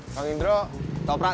pang indro toprak satu